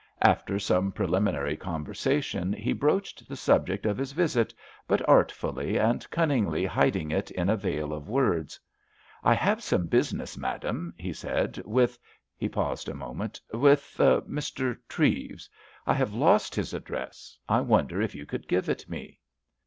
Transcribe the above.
After some preliminary conversation he broached the subject of his visit, but artfully and cunningly hiding it in a veil of words. "I have some business, madam," he said, "with"—he paused a moment—"with Mr. Treves. I have lost his address; I wonder if you could give it me?"